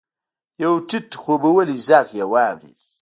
يو ټيټ خوبولی ږغ يې واورېد.